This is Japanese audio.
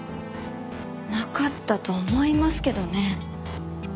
なかったと思いますけどね。